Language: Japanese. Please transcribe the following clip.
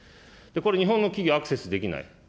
これ、日本の企業、アクセスできない。